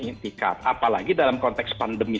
itikat apalagi dalam konteks pandemi